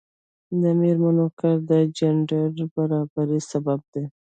د میرمنو کار د جنډر برابري سبب دی.